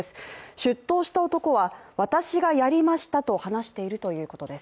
出頭した男は、私がやりましたと話しているということです。